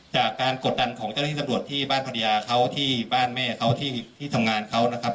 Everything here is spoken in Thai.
กดดันของเจ้าหน้าที่ตำรวจที่บ้านภรรยาเขาที่บ้านแม่เขาที่ทำงานเขานะครับ